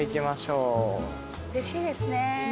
うれしいですね。